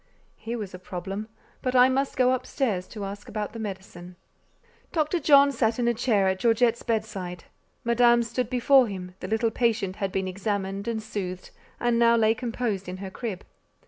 Here was a problem: but I must go up stairs to ask about the medicine. Dr. John sat in a chair at Georgette's bedside; Madame stood before him; the little patient had been examined and soothed, and now lay composed in her crib.